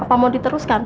apa mau diteruskan